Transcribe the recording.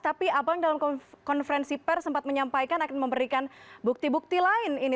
tapi abang dalam konferensi pers sempat menyampaikan akan memberikan bukti bukti lain ini